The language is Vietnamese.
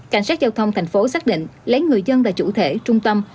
cảnh sát giao thông thành phố xác định lấy người dân là chủ thể trung tâm